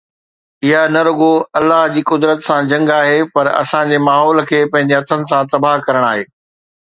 اها نه رڳو الله جي قدرت سان جنگ آهي پر اسان جي ماحول کي پنهنجي هٿن سان تباهه ڪرڻ آهي